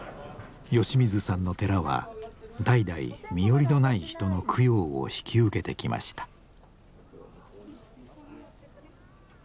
吉水さんの寺は代々身寄りのない人の供養を引き受けてきました。